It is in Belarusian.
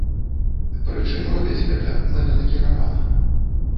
Прычым робяць гэта мэтанакіравана.